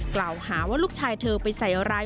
กล่าวหาว่าลูกชายเธอไปใส่อะไร